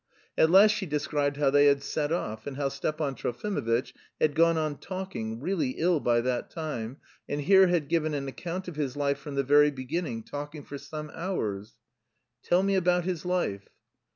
At last she described how they had set off, and how Stepan Trofimovitch had gone on talking, "really ill by that time," and here had given an account of his life from the very beginning, talking for some hours. "Tell me about his life."